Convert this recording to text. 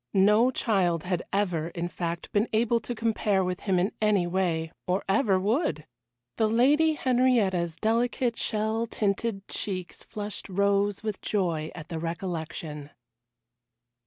No child had ever, in fact, been able to compare with him in any way, or ever would! The Lady Henrietta's delicate shell tinted cheeks flushed rose with joy at the recollection.